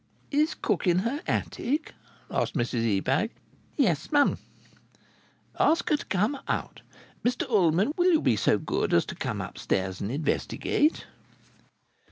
"Is cook in her attic?" asked Mrs Ebag. "Yes'm." "Ask her to come out. Mr Ullman, will you be so very good as to come upstairs and investigate?"